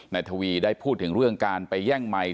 ทวีได้พูดถึงเรื่องการไปแย่งไมค์